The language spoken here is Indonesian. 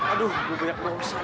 aduh gue banyak bau pesan